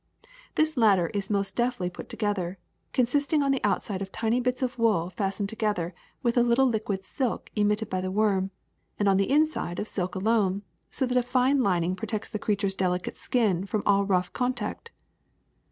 ^^This latter is most deftly put together, consist ing on the outside of tiny bits of wool fastened to gether with a little liquid silk emitted by the worm, and on the inside of silk alone, so that a tine lining protects the creature ^s delicate skin from all rough contact."